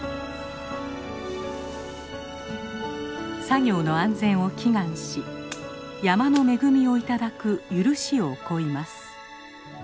作業の安全を祈願し山の恵みを頂く許しをこいます。